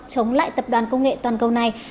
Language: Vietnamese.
chống lại tập đoàn công nghệ toàn cầu này